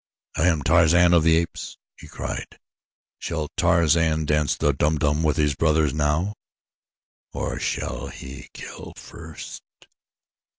"I am Tarzan of the Apes," he cried. "Shall Tarzan dance the Dum Dum with his brothers now, or shall he kill first?"